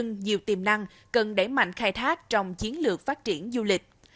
nhiều tiềm năng cần đẩy mạnh khai thác trong chiến lược phát triển du lịch